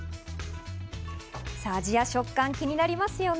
味や食感、気になりますよね。